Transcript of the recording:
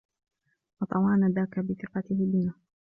وَطَوَانَا ذَاكَ بِثِقَتِهِ بِنَا